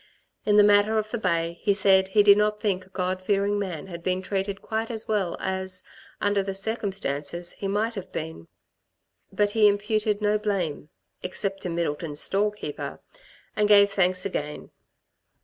In the matter of the bay, he said that he did not think a God fearing man had been treated quite as well as, under the circumstances, he might have been; but he imputed no blame except to Middleton's storekeeper and gave thanks again.